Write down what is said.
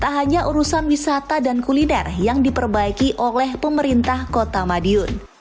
tak hanya urusan wisata dan kuliner yang diperbaiki oleh pemerintah kota madiun